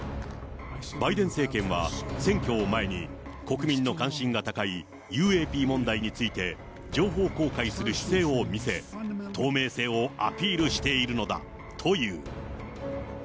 バイデン政権は選挙を前に、国民の関心が高いＵＡＰ問題について情報公開する姿勢を見せ、透明性をアピールしているのだという。